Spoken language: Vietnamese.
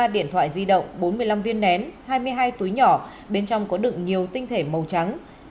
ba điện thoại di động bốn mươi năm viên nén hai mươi hai túi nhỏ bên trong có đựng nhiều tinh thể màu trắng